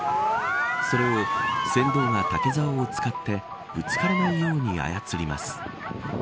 それを、船頭が竹ざおを使ってぶつからないように操ります。